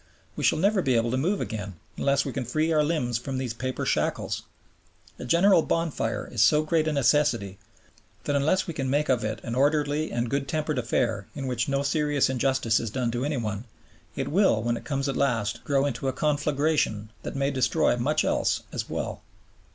We shall never be able to move again, unless we can free our limbs from these paper shackles. A general bonfire is so great a necessity that unless we can make of it an orderly and good tempered affair in which no serious injustice is done to any one, it will, when it comes at last, grow into a conflagration that may destroy much else as well.